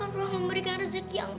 kau telah memberikan rezeki yang baik